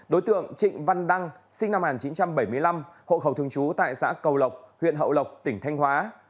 đối tượng trịnh văn đăng sinh năm một nghìn chín trăm bảy mươi năm hộ khẩu thường trú tại xã cầu lộc huyện hậu lộc tỉnh thanh hóa